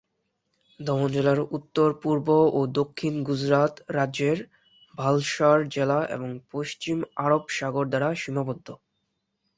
দমন জেলার উত্তর, পূর্ব ও দক্ষিণ গুজরাত রাজ্যের ভালসাড় জেলা এবং পশ্চিম আরব সাগর দ্বারা সীমাবদ্ধ।